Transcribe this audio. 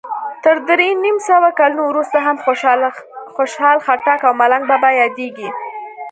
تر درې نیم سوو کلونو وروسته هم خوشال خټک او ملنګ بابا یادیږي.